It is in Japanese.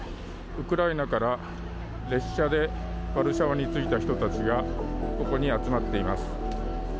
ウクライナから列車でワルシャワに着いた人たちがここに集まっています。